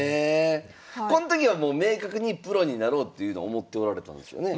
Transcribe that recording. この時はもう明確にプロになろうっていうのは思っておられたんですよね？